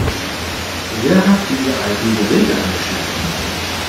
Wer hat diese alten Geräte angeschleppt?